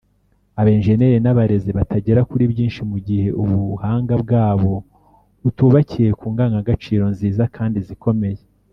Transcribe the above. abenjeniyeri n’abarezi batagera kuri byinshi mu gihe ubuhanga bwabo butubakiye ku ngangagaciro nziza kandi zikomeye